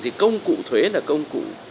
thì công cụ thuế là công cụ